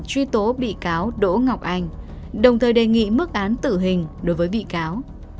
truy tố bị cáo đỗ ngọc anh đồng thời đề nghị mức án tử hình đối với bị cáo